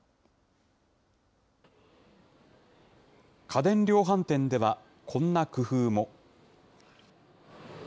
家電量販店では、こんな工夫も。